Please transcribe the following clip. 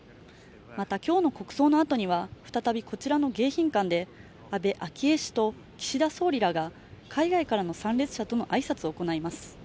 また今日の国葬のあとには再びこちらの迎賓館で安倍昭恵氏と岸田総理らが海外からの参列者とのあいさつを行います